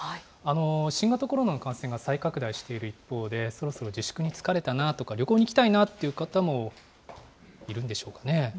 新型コロナの感染が再拡大している一方で、そろそろ自粛に疲れたなとか、旅行に行きたいなという方もいるんでしょうかね。